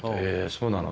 そうなの？」